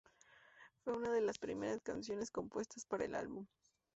Fue una de las primeras canciones compuestas para el álbum.